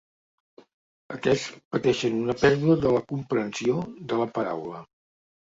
Aquests pateixen una pèrdua de la comprensió de la paraula.